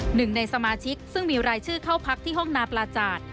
หนึ่งในสมาชิกซึ่งมีรายชื่อเข้าพักที่ห้องนาปลาจาด